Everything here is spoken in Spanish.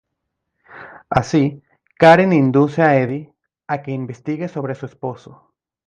Así, Karen induce a Edie a que investigue sobre su esposo.